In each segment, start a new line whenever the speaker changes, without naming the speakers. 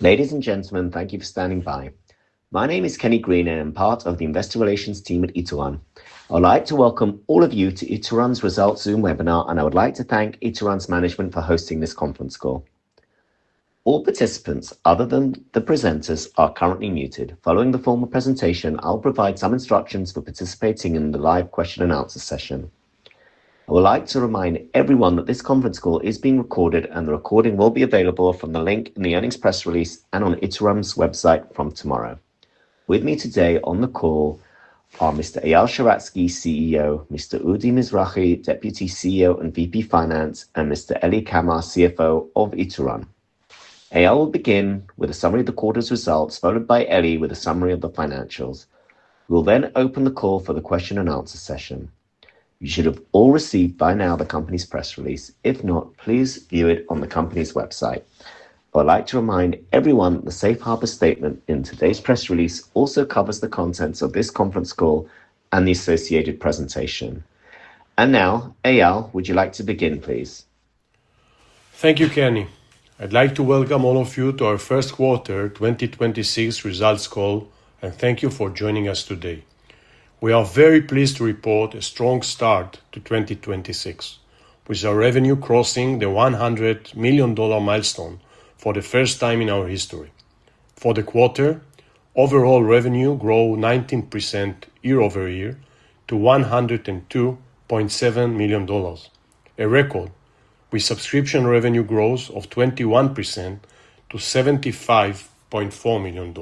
Ladies and gentlemen, thank you for standing by. My name is Kenny Green, and I'm part of the investor relations team at Ituran. I would like to welcome all of you to Ituran's Results Zoom webinar, and I would like to thank Ituran's management for hosting this conference call. All participants other than the presenters are currently muted. Following the formal presentation, I'll provide some instructions for participating in the live question and answer session. I would like to remind everyone that this conference call is being recorded, and the recording will be available from the link in the earnings press release and on Ituran's website from tomorrow. With me today on the call are Mr. Eyal Sheratzky, CEO, Mr. Udi Mizrahi, Deputy CEO and VP Finance, and Mr. Eli Kamer, CFO of Ituran. Eyal will begin with a summary of the quarter's results, followed by Eli with a summary of the financials. We'll then open the call for the question and answer session. You should have all received by now the company's press release. If not, please view it on the company's website. I would like to remind everyone that the safe harbor statement in today's press release also covers the contents of this conference call and the associated presentation. Now, Eyal, would you like to begin, please?
Thank you, Kenny. I'd like to welcome all of you to our first quarter 2026 results call, and thank you for joining us today. We are very pleased to report a strong start to 2026, with our revenue crossing the $100 million milestone for the first time in our history. For the quarter, overall revenue grew 19% year-over-year to $102.7 million, a record, with subscription revenue growth of 21% to $75.4 million.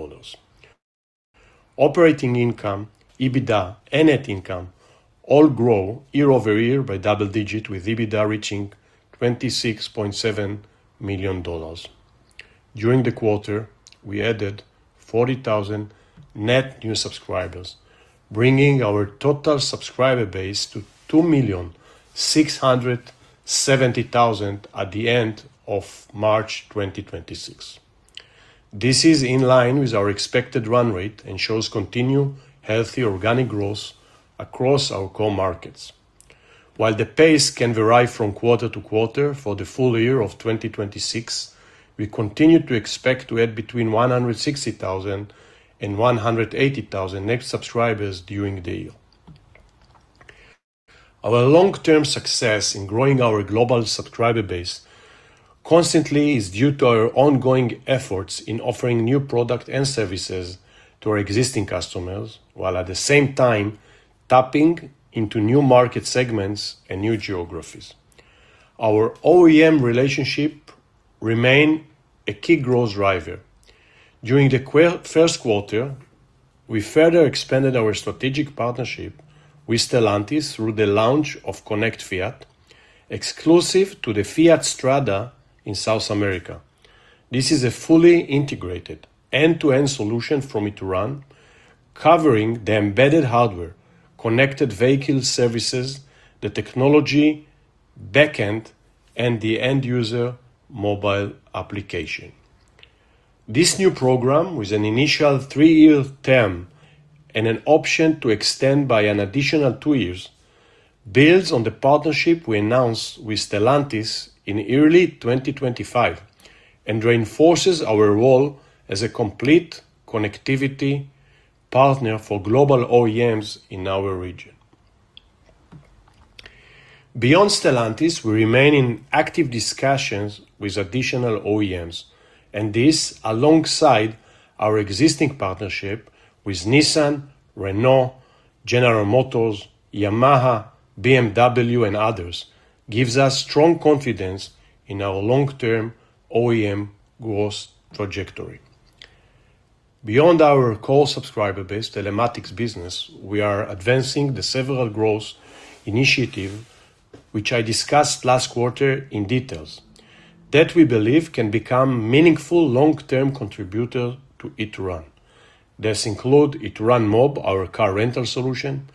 Operating income, EBITDA, and net income all grew year-over-year by double digits, with EBITDA reaching $26.7 million. During the quarter, we added 40,000 net new subscribers, bringing our total subscriber base to 2,670,000 at the end of March 2026. This is in line with our expected run rate and shows continued healthy organic growth across our core markets. While the pace can vary from quarter to quarter, for the full year of 2026, we continue to expect to add between 160,000 and 180,000 net subscribers during the year. Our long-term success in growing our global subscriber base constantly is due to our ongoing efforts in offering new product and services to our existing customers, while at the same time tapping into new market segments and new geographies. Our OEM relationships remain a key growth driver. During the first quarter, we further expanded our strategic partnership with Stellantis through the launch of Connect Fiat, exclusive to the Fiat Strada in South America. This is a fully integrated end-to-end solution from Ituran covering the embedded hardware, connected vehicle services, the technology backend, and the end-user mobile application. This new program, with an initial three-year term and an option to extend by an additional two years, builds on the partnership we announced with Stellantis in early 2025 and reinforces our role as a complete connectivity partner for global OEMs in our region. Beyond Stellantis, we remain in active discussions with additional OEMs, and this, alongside our existing partnership with Nissan, Renault, General Motors, Yamaha, BMW, and others, gives us strong confidence in our long-term OEM growth trajectory. Beyond our core subscriber-based telematics business, we are advancing the several growth initiatives which I discussed last quarter in detail that we believe can become meaningful long-term contributors to Ituran. These include IturanMob, our car rental solution,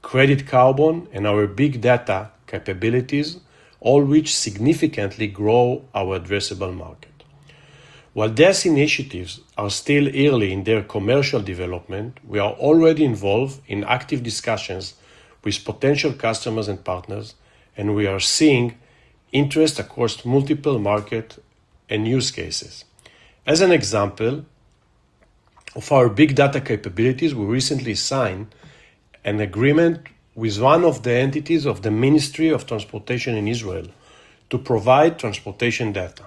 Credit Carbon, and our big data capabilities, all which significantly grow our addressable market. While these initiatives are still early in their commercial development, we are already involved in active discussions with potential customers and partners, and we are seeing interest across multiple markets and use cases. As an example of our big data capabilities, we recently signed an agreement with one of the entities of the Ministry of Transportation in Israel to provide transportation data,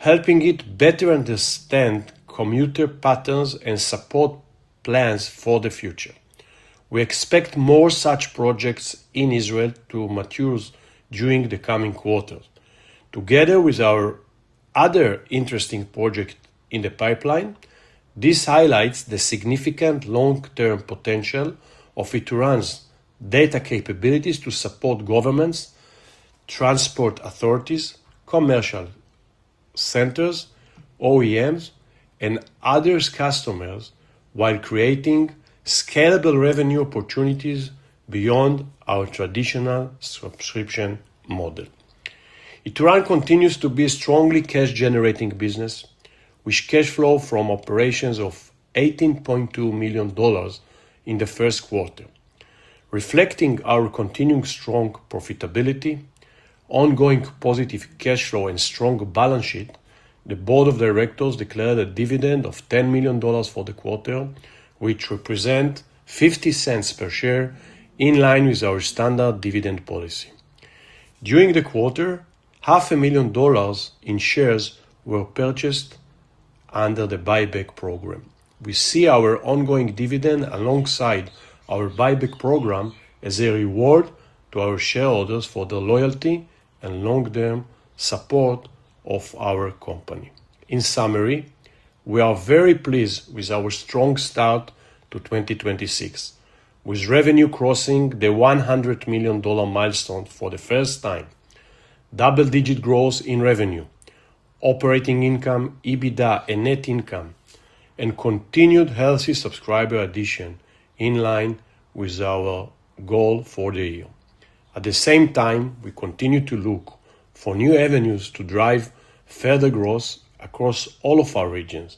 helping it better understand commuter patterns and support plans for the future. We expect more such projects in Israel to mature during the coming quarters. Together with our other interesting projects in the pipeline, this highlights the significant long-term potential of Ituran's data capabilities to support governments, transport authorities, commercial centers, OEMs, and other customers while creating scalable revenue opportunities beyond our traditional subscription model. Ituran continues to be a strongly cash-generating business, with cash flow from operations of $18.2 million in the first quarter. Reflecting our continuing strong profitability, ongoing positive cash flow, and strong balance sheet, the board of directors declared a dividend of $10 million for the quarter, which represent $0.50 per share, in line with our standard dividend policy. During the quarter, half a million dollars in shares were purchased under the buyback program. We see our ongoing dividend alongside our buyback program as a reward to our shareholders for their loyalty and long-term support of our company. In summary, we are very pleased with our strong start to 2026, with revenue crossing the $100 million milestone for the first time, double-digit growth in revenue, operating income, EBITDA, and net income, and continued healthy subscriber addition in line with our goal for the year. At the same time, we continue to look for new avenues to drive further growth across all of our regions.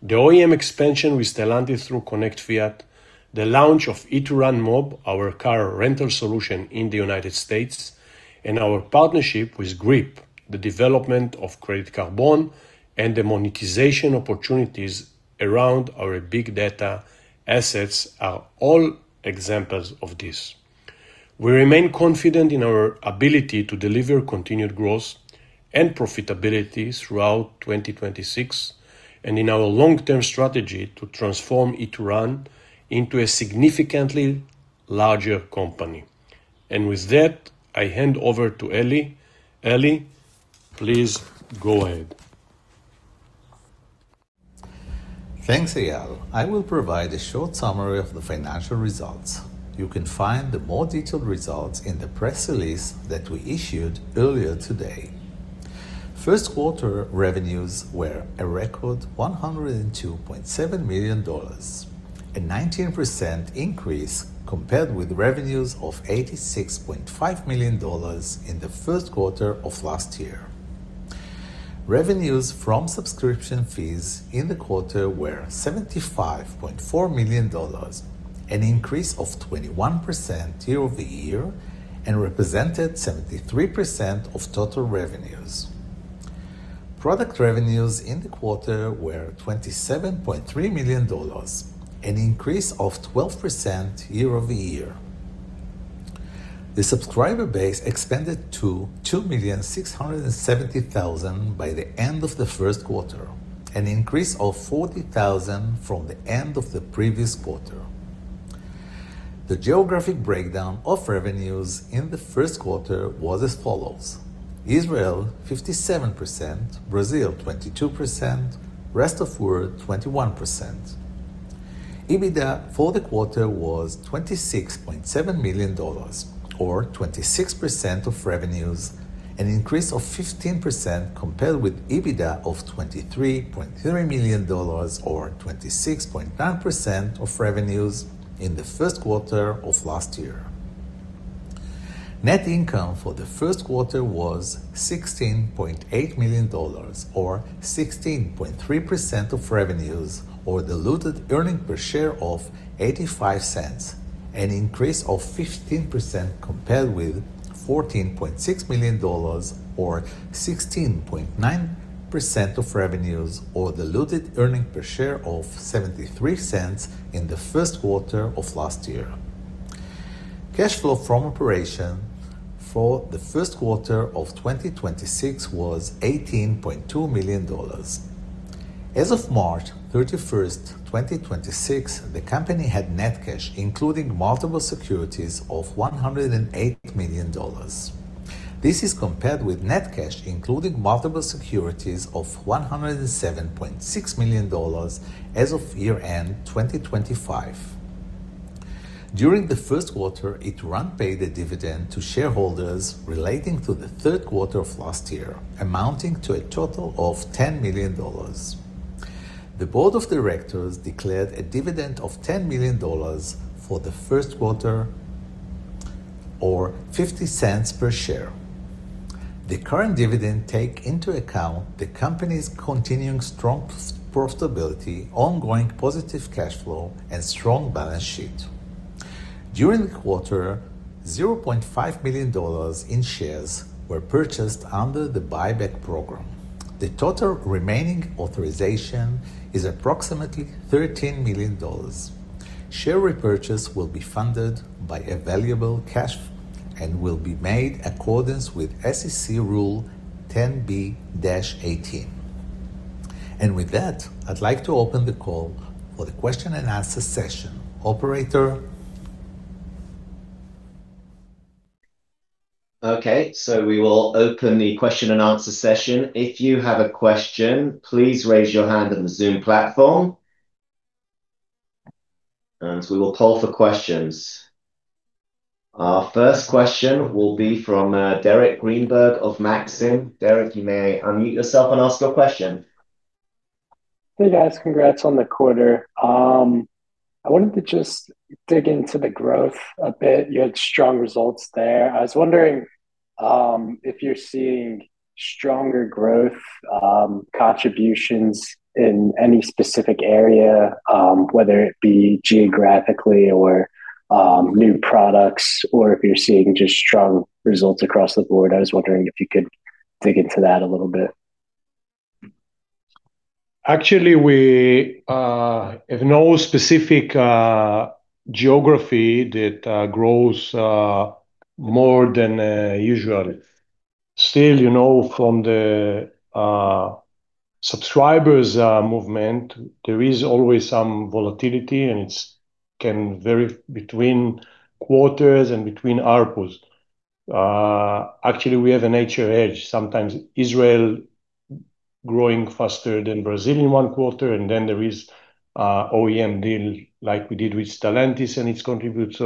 The OEM expansion with Stellantis through Connect Fiat, the launch of IturanMob, our car rental solution in the U.S., and our partnership with GRIP, the development of Credit Carbon, and the monetization opportunities around our big data assets are all examples of this. We remain confident in our ability to deliver continued growth and profitability throughout 2026, and in our long-term strategy to transform Ituran into a significantly larger company. With that, I hand over to Eli. Eli, please go ahead.
Thanks, Eyal. I will provide a short summary of the financial results. You can find the more detailed results in the press release that we issued earlier today. First quarter revenues were a record $102.7 million, a 19% increase compared with revenues of $86.5 million in the first quarter of last year. Revenues from subscription fees in the quarter were $75.4 million, an increase of 21% year-over-year, and represented 73% of total revenues. Product revenues in the quarter were $27.3 million, an increase of 12% year-over-year. The subscriber base expanded to 2,670,000 by the end of the first quarter, an increase of 40,000 from the end of the previous quarter. The geographic breakdown of revenues in the first quarter was as follows: Israel 57%, Brazil 22%, rest of world 21%. EBITDA for the quarter was $26.7 million, or 26% of revenues, an increase of 15% compared with EBITDA of $23.3 million, or 26.9% of revenues in the first quarter of last year. Net income for the first quarter was $16.8 million, or 16.3% of revenues, or diluted earnings per share of $0.85, an increase of 15% compared with $14.6 million, or 16.9% of revenues, or diluted earnings per share of $0.73 in the first quarter of last year. Cash flow from operations for the first quarter of 2026 was $18.2 million. As of March 31st, 2026, the company had net cash including marketable securities of $108 million. This is compared with net cash including marketable securities of $107.6 million as of year-end 2025. During the first quarter, Ituran paid a dividend to shareholders relating to the third quarter of last year, amounting to a total of $10 million. The board of directors declared a dividend of $10 million for the first quarter, or $0.50 per share. The current dividend take into account the company's continuing strong profitability, ongoing positive cash flow, and strong balance sheet. During the quarter, $0.5 million in shares were purchased under the buyback program. The total remaining authorization is approximately $13 million. Share repurchase will be funded by available cash flow and will be made accordance with SEC Rule 10b-18. With that, I'd like to open the call for the question and answer session. Operator?
Okay, we will open the question and answer session. If you have a question, please raise your hand on the Zoom platform, we will call for questions. Our first question will be from Derek Greenberg of Maxim. Derek, you may unmute yourself and ask your question.
Hey, guys. Congrats on the quarter. I wanted to just dig into the growth a bit. You had strong results there. I was wondering if you're seeing stronger growth, contributions in any specific area, whether it be geographically or new products, or if you're seeing just strong results across the board. I was wondering if you could dig into that a little bit.
Actually, we have no specific geography that grows more than usual. From the subscribers movement, there is always some volatility, and it can vary between quarters and between ARPU. Actually, we have a nature edge, sometimes Israel growing faster than Brazil in one quarter, and then there is OEM deal like we did with Stellantis and its contribute.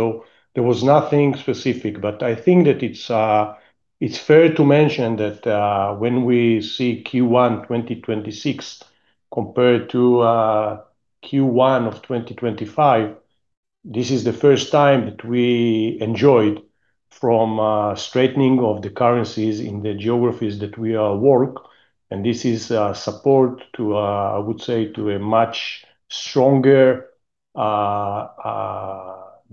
There was nothing specific, but I think that it's fair to mention that when we see Q1 2026 compared to Q1 of 2025, this is the first time that we enjoyed from straightening of the currencies in the geographies that we work, and this is support, I would say, to a much stronger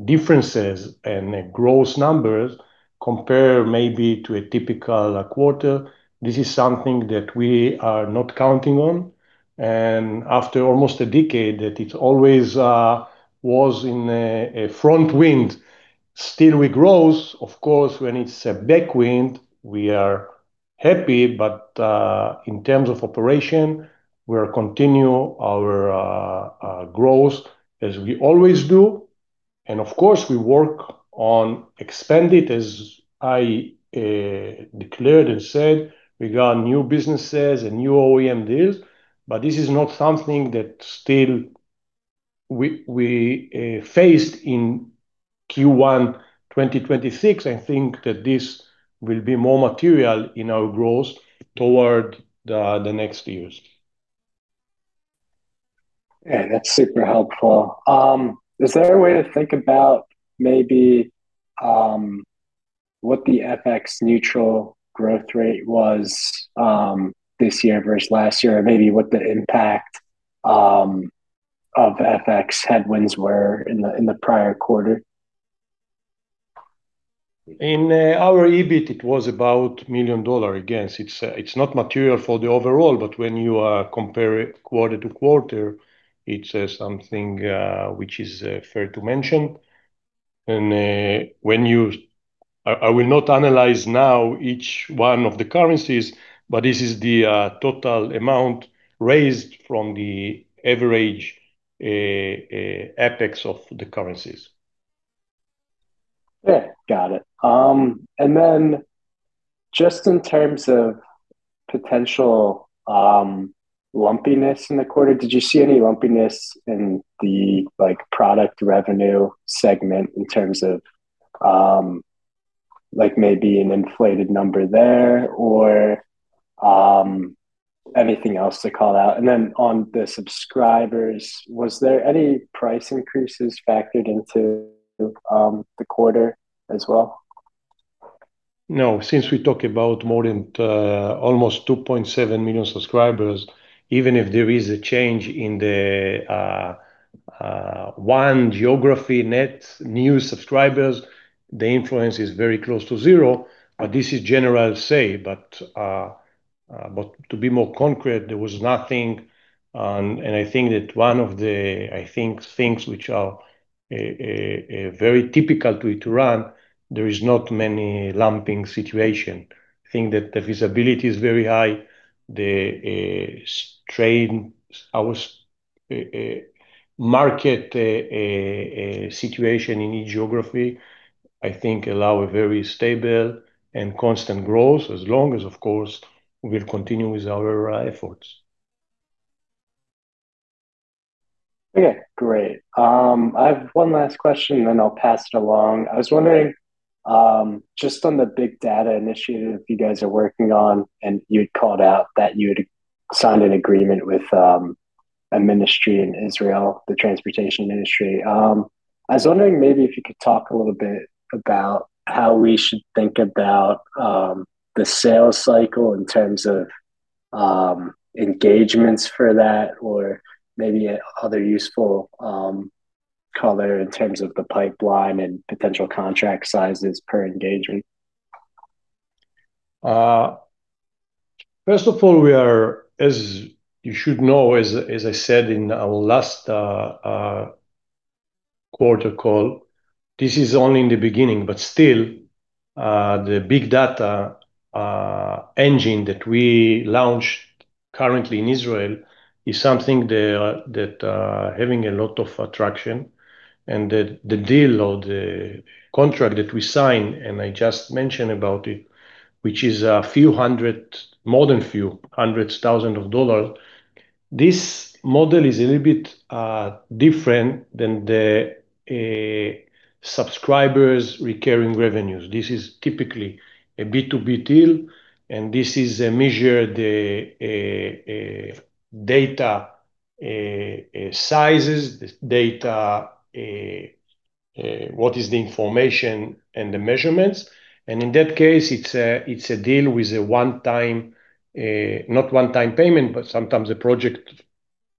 differences and gross numbers compare maybe to a typical quarter. This is something that we are not counting on. After almost a decade that it's always was in a front wind, still we grow. Of course, when it's a tailwind, we are happy, but, in terms of operation, we continue our growth as we always do. Of course, we work on expand it, as I declared and said, regard new businesses and new OEM deals. This is not something that still we faced in Q1 2026. I think that this will be more material in our growth toward the next years.
Yeah, that's super helpful. Is there a way to think about maybe what the FX neutral growth rate was this year versus last year? Maybe what the impact of FX headwinds were in the prior quarter?
In our EBIT, it was about million dollar. Again, it's not material for the overall, but when you are compare it quarter-to-quarter, it's something which is fair to mention. I will not analyze now each one of the currencies, but this is the total amount raised from the average apex of the currencies.
Yeah, got it. Just in terms of potential lumpiness in the quarter, did you see any lumpiness in the product revenue segment in terms of maybe an inflated number there or anything else to call out? On the subscribers, was there any price increases factored into the quarter as well?
No. Since we talk about more than almost 2.7 million subscribers, even if there is a change in the one geography net new subscribers, the influence is very close to zero. This is general say, but to be more concrete, there was nothing. I think that one of the, I think, things which are very typical to Ituran, there is not many lumping situation. I think that the visibility is very high. The strain, our market situation in each geography, I think allow a very stable and constant growth as long as, of course, we'll continue with our efforts.
Okay, great. I have one last question, and then I'll pass it along. I was wondering, just on the big data initiative you guys are working on, you'd called out that you had signed an agreement with a ministry in Israel, the transportation industry. I was wondering maybe if you could talk a little bit about how we should think about the sales cycle in terms of engagements for that or maybe other useful color in terms of the pipeline and potential contract sizes per engagement.
First of all, as you should know, as I said in our last quarter call, this is only in the beginning, but still, the big data engine that we launched currently in Israel is something that having a lot of attraction, and the deal or the contract that we signed, and I just mentioned about it, which is a few hundred, more than few hundreds, thousand of ILS. This model is a little bit different than the subscribers' recurring revenues. This is typically a B2B deal, and this is a measure, the data sizes, the data, what is the information and the measurements. In that case, it's a deal with a one-time, not one-time payment, but sometimes a project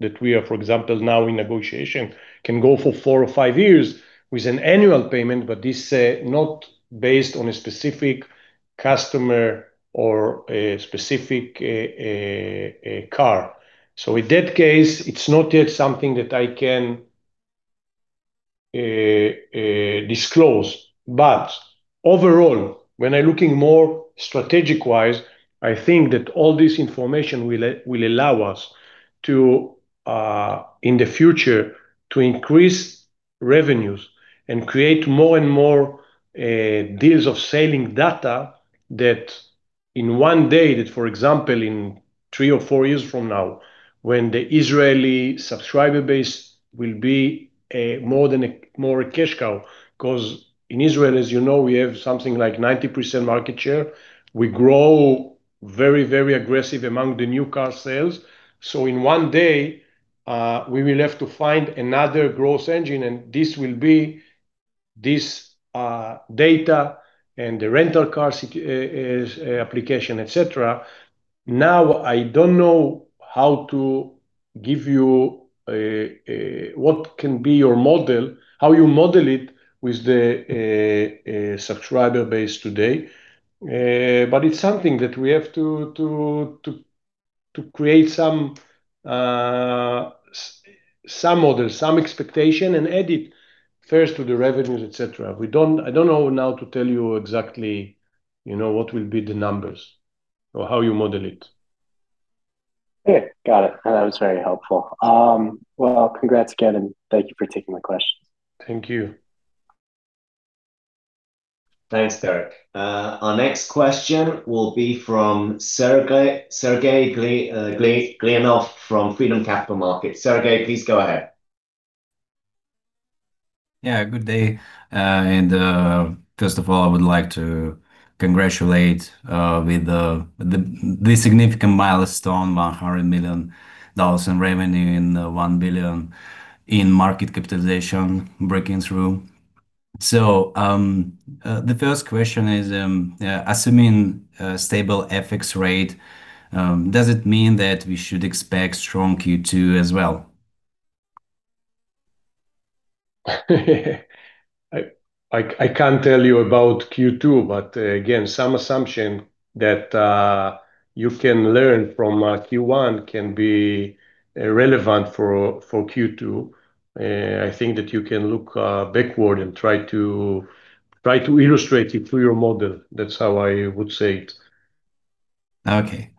that we are, for example, now in negotiation, can go for four or five years with an annual payment, but this not based on a specific customer or a specific car. In that case, it's not yet something that I can disclose. Overall, when I'm looking more strategic-wise, I think that all this information will allow us, in the future to increase revenues and create more and more deals of selling data that in one day that, for example, in three or four years from now, when the Israeli subscriber base will be more a cash cow, because in Israel, as you know, we have something like 90% market share. We grow very aggressive among the new car sales. In one day, we will have to find another growth engine, and this will be this data and the rental cars application, et cetera. Now, I don't know how to give you what can be your model, how you model it with the subscriber base today. It's something that we have to create some model, some expectation, and add it first to the revenues, et cetera. I don't know now to tell you exactly what will be the numbers or how you model it.
Yeah. Got it. That was very helpful. Well, congrats again, and thank you for taking my questions.
Thank you.
Thanks, Derek. Our next question will be from Sergey Glinyanov from Freedom Capital Markets. Sergey, please go ahead.
Yeah, good day. First of all, I would like to congratulate with the significant milestone, $100 million in revenue and 1 billion in market capitalization breaking through. The first question is, assuming a stable FX rate, does it mean that we should expect strong Q2 as well?
I can't tell you about Q2, but again, some assumption that you can learn from Q1 can be relevant for Q2. I think that you can look backward and try to illustrate it through your model. That's how I would say it.
Okay.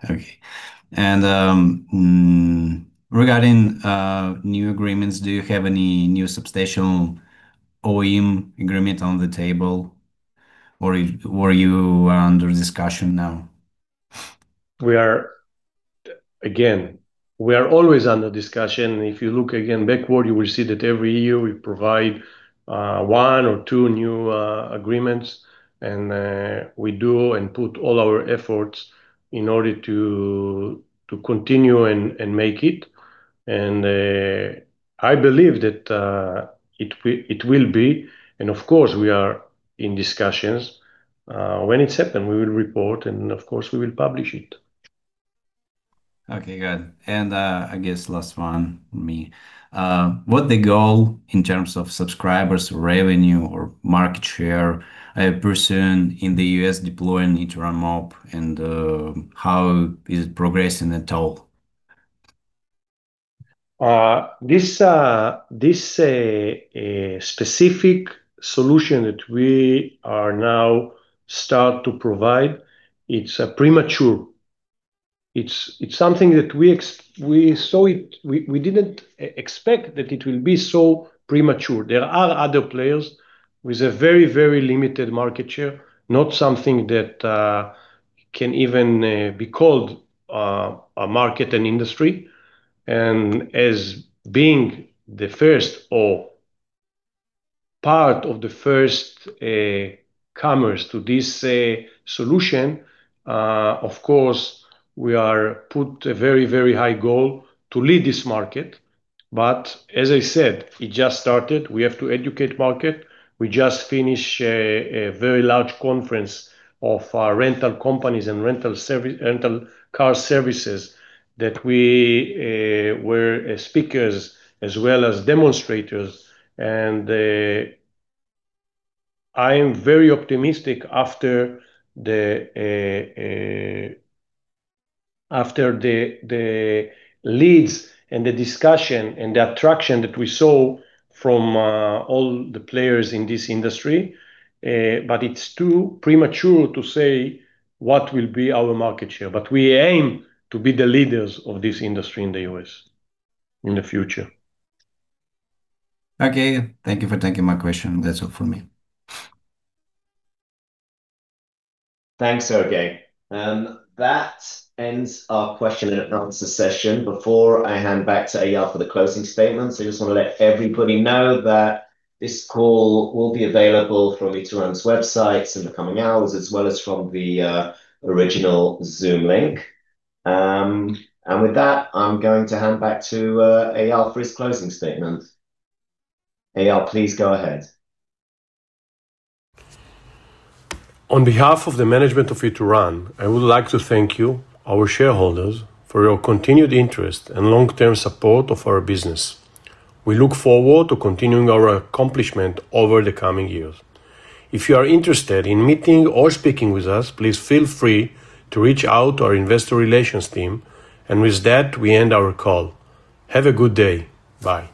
Regarding new agreements, do you have any new substantial OEM agreement on the table, or you are under discussion now?
We are always under discussion. If you look again backward, you will see that every year we provide one or two new agreements, and we do and put all our efforts in order to continue and make it. I believe that it will be, and of course, we are in discussions. When it's happened, we will report and, of course, we will publish it.
Okay, good. I guess last one from me. What is the goal in terms of subscribers, revenue, or market share person in the U.S. deploying IturanMob, and how is it progressing at all?
This specific solution that we are now start to provide, it's premature. It's something that we saw it we didn't expect that it will be so premature. There are other players with a very limited market share, not something that can even be called a market and industry. As being the first or part of the first comers to this solution, of course, we are put a very high goal to lead this market. As I said, it just started. We have to educate market. We just finished a very large conference of rental companies and rental car services that we were speakers as well as demonstrators. I am very optimistic after the leads and the discussion and the attraction that we saw from all the players in this industry. It's too premature to say what will be our market share, but we aim to be the leaders of this industry in the U.S. in the future.
Okay. Thank you for taking my question. That's all from me.
Thanks, Sergey. That ends our question and answer session. Before I hand back to Eyal for the closing statement, I just want to let everybody know that this call will be available from Ituran's websites in the coming hours, as well as from the original Zoom link. With that, I'm going to hand back to Eyal for his closing statement. Eyal, please go ahead.
On behalf of the management of Ituran, I would like to thank you, our shareholders, for your continued interest and long-term support of our business. We look forward to continuing our accomplishment over the coming years. If you are interested in meeting or speaking with us, please feel free to reach out to our investor relations team. With that, we end our call. Have a good day. Bye.